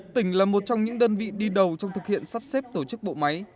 tỉnh là một trong những đơn vị đi đầu trong thực hiện sắp xếp tổ chức bộ máy